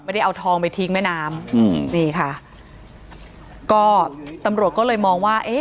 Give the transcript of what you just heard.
ได้เอาทองไปทิ้งแม่น้ำอืมนี่ค่ะก็ตำรวจก็เลยมองว่าเอ๊ะ